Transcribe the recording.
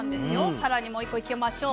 更にもう１個いきましょう。